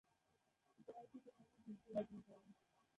ইতোমধ্যে তিনি একটি ডিগ্রি অর্জন করেন।